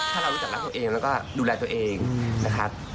ถ้าเรารู้จักรักตัวเองแล้วก็ดูแลตัวเองนะครับ